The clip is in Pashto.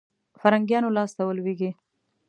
فرنګیانو لاسته ولوېږي.